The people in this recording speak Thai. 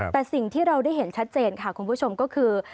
แต่สิ่งที่เราได้เห็นชัดเจนค่ะคุณผู้ชมก็คือ